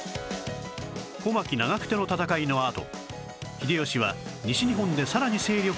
小牧・長久手の戦いのあと秀吉は西日本でさらに勢力を拡大